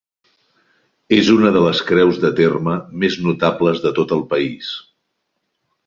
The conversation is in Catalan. És una de les creus de terme més notables de tot el país.